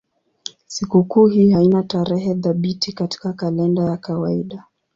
Sikukuu hii haina tarehe thabiti katika kalenda ya kawaida.